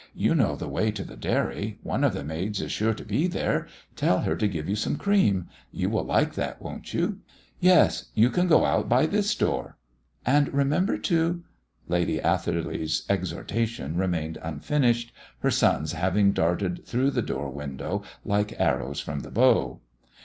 You know the way to the dairy; one of the maids is sure to be there; tell her to give you some cream. You will like that, won't you? Yes, you can go out by this door." "And remember to " Lady Atherley's exhortation remained unfinished, her sons having darted through the door window like arrows from the bow.